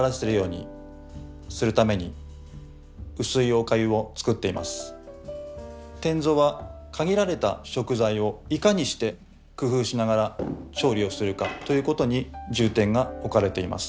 お米が大変貴重でありますので典座は限られた食材をいかにして工夫しながら調理をするかということに重点が置かれています。